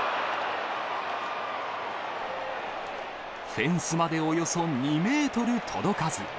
フェンスまでおよそ２メートル届かず。